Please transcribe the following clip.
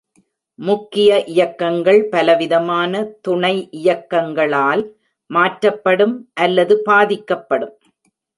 முக்கிய இயக்கங்கள் பலவிதமான துணை இயக்கங்களால் மாற்றப்படும் அல்லது பாதிக்கப்படும்.